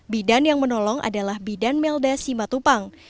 bidan yang menolong adalah bidan melda simatupang